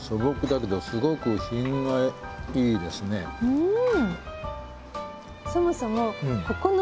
うん。